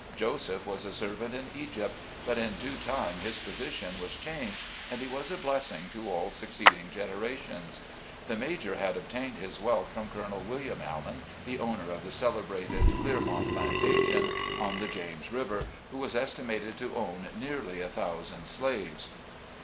Joseph was a servant in Egypt, but in due time his position was changed and he was a blessing to all succeeding generations. The Major had obtained his wealth from Colonel William Allen, the owner of the celebrated "Clearmount Plantation," on the James River, who was estimated to own nearly a thousand slaves.